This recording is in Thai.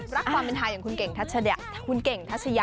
รักความเป็นไทยอย่างคุณเก่งทัชยะ